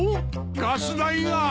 ガス代が。